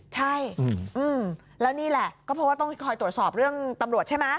ใช่แล้วนี่แหละก็เพราะว่าต้องคอยตรวจสอบเรื่องตำรวจใช่ไหม